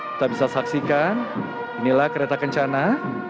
kita bisa saksikan inilah kereta kencana